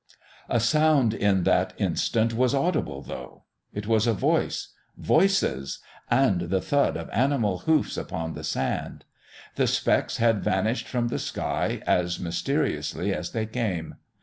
A sound in that instant was audible, though. It was a voice voices and the thud of animal hoofs upon the sand. The specks had vanished from the sky as mysteriously as they came.